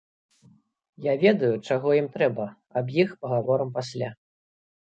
Я ведаю, чаго ім трэба, аб іх пагаворым пасля.